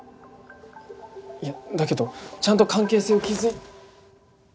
いやだけどちゃんと関係性を築い。